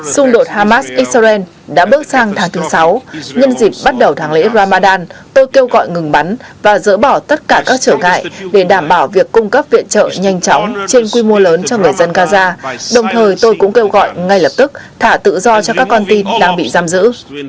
xung đột hamas israel đã bước sang tháng thứ sáu nhân dịp bắt đầu tháng lễ ramadan tôi kêu gọi ngừng bắn và dỡ bỏ tất cả các trở ngại để đảm bảo việc cung cấp viện trợ nhanh chóng trên quy mô lớn cho người dân gaza đồng thời tôi cũng kêu gọi ngay lập tức thả tự do cho các con tin đang bị giam giữ